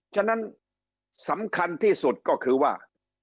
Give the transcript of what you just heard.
ฉะนั้นสำคัญที่สุดก็คือว่า